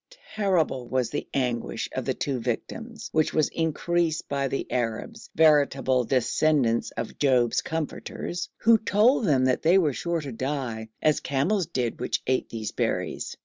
Terrible was the anguish of the two victims, which was increased by the Arabs, veritable descendants of Job's comforters, who told them they were sure to die, as camels did which ate these berries.